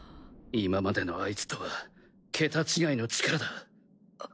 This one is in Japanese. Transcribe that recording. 今までのアイツとは桁違いの力だ。